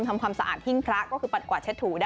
ทำความสะอาดพิงพระก็คือบรรดิกว่าเช็ดถู